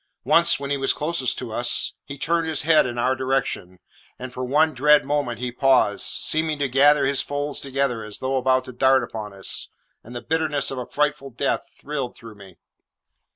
Once, when he was closest to us, he turned his head in our direction, and for one dread moment he paused, seeming to gather his folds together as though about to dart upon us, and the bitterness of a frightful death thrilled through me.